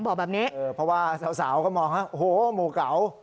บอกแบบนี้เพราะว่าสาวก็มองฮะโอ้โหหมู่เก่า